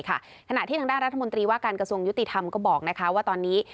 ขณะที่ทางด้านรัฐมนตรีว่าการกระทรวงยุติธรรมก็บอกว่าตอนนี้